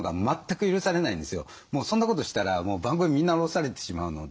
もうそんなことしたら番組みんな降ろされてしまうので。